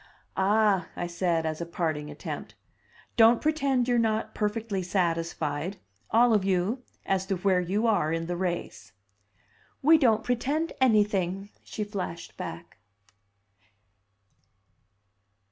"Ah!" I said, as a parting attempt, "don't pretend you're not perfectly satisfied all of you as to where you are in the race!" "We don't pretend anything!" she flashed back.